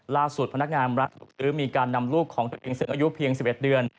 พนักงานรัฐหรือมีการนำลูกของตัวเองซึ่งอายุเพียง๑๑เดือน